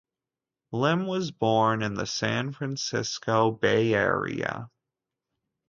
Lim was born in the San Francisco Bay Area.